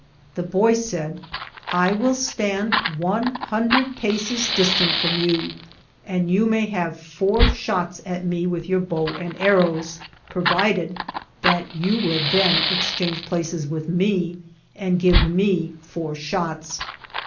The boy said, " I will stand one hun dred paces distant from you and you may have four shots at me with your bow and arrows, provided that you will then ex change places with me and give me four shots."